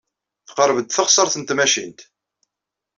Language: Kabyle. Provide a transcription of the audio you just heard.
Teqreb-d teɣsert n tmacint.